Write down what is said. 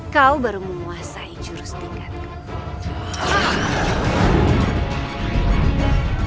kau baru memuasai jurus tingkat keempat